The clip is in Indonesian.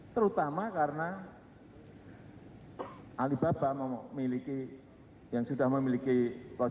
terutama karena alibaba memiliki yang sudah memiliki logistik platform dan retail platform